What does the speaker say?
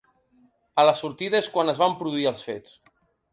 A la sortida és quan es van produir els fets.